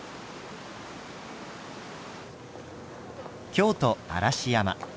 京都・嵐山。